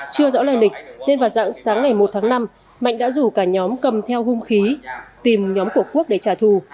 chưa rõ lây lịch nên vào dạng sáng ngày một tháng năm mạnh đã rủ cả nhóm cầm theo hung khí tìm nhóm của quốc để trả thù